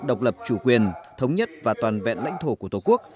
độc lập chủ quyền thống nhất và toàn vẹn lãnh thổ của tổ quốc